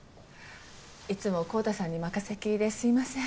いつも昂太さんに任せっきりですいません。